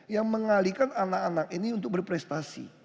yang mengalihkan anak anak ini untuk berprestasi